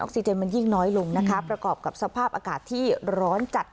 ซีเจนมันยิ่งน้อยลงนะคะประกอบกับสภาพอากาศที่ร้อนจัด